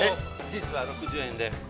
◆実は６０円で。